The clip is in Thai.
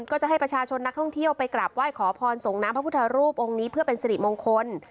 ก็จะให้ประชาชนนักท่องเที่ยวไปกราบไหว้ขอพรส่งน้ำพระพุทธรูปองค์นี้เพื่อเป็นสิริมงคล